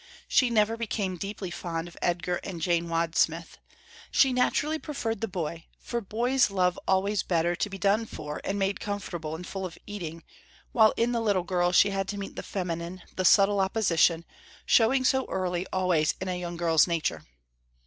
She never became deeply fond of Edgar and Jane Wadsmith. She naturally preferred the boy, for boys love always better to be done for and made comfortable and full of eating, while in the little girl she had to meet the feminine, the subtle opposition, showing so early always in a young girl's nature.